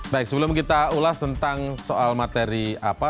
baik sebelum kita ulas tentang soal materi apa